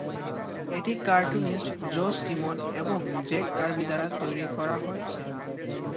এটি cartoonist Joe Simon এবং Jack Kirby দ্বারা তৈরি করা হয়েছে।